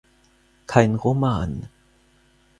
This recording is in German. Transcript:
Kein Roman.